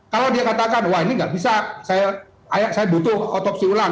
kalau dia katakan wah ini nggak bisa saya butuh otopsi ulang